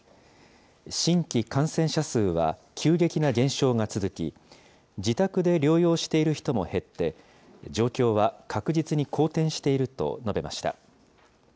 新規感染者数は急激な減少が続き、自宅で療養している人も減って、状況は確実に好転していると述べました。